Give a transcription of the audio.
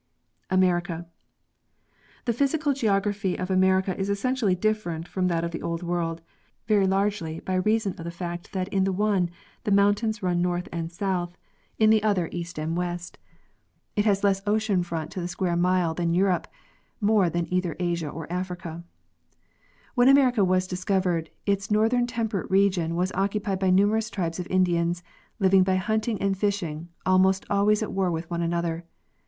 America. The physical geography of America is essentially different from that of the old world, very largely by reason of the fact that in the one the mountains run north and south, in the other 3—Nat. Grog. Maa., von. VI, 1894, 18 G. G. Hubbard— Geographic Progress of Civilization. east and west. It has less ocean front to the square mile than Europe, more than either Asia or Africa. When America was discovered its north temperate region was occupied by numerous tribes of Indians, living by hunting and fishing, almost always at war with one another.